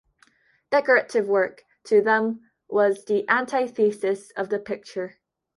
Decorative work, to them, was the "antithesis of the picture".